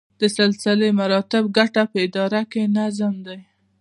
د سلسله مراتبو ګټه په اداره کې نظم دی.